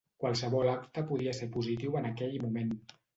Qualsevol acte podia ser positiu en aquell moment.